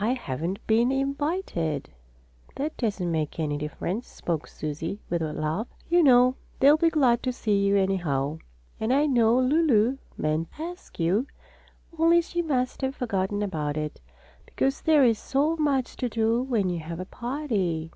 "I haven't been invited." "That doesn't make any difference," spoke Susie with a laugh. "You know they'll be glad to see you, anyhow. And I know Lulu meant to ask you, only she must have forgotten about it, because there is so much to do when you have a party."